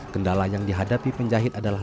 kendala yang dihadapi penjahit adalah